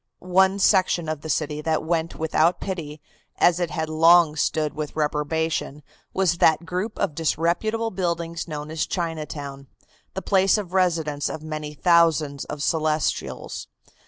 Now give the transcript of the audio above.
One section of the city that went without pity, as it had long stood with reprobation, was that group of disreputable buildings known as Chinatown, the place of residence of many thousands of Celestials.